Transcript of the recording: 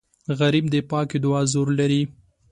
غریب د پاکې دعا زور لري